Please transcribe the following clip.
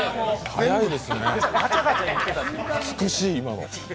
早いですね、美しい、今の。